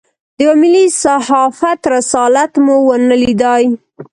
د یوه ملي صحافت رسالت مو ونه لېدای.